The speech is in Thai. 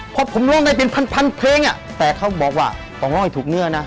พอผมร้องได้เป็นพันเพลงแต่เขาบอกว่าต้องร้องให้ถูกเนื้อนะ